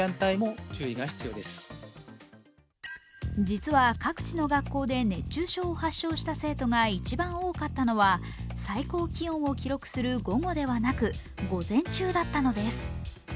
実は各地の学校で熱中症を発症した生徒が一番多かったのは最高気温を記録する午後ではなく、午前中だったのです。